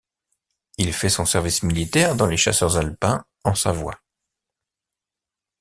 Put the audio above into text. Il fait son service militaire dans les chasseurs alpins en Savoie.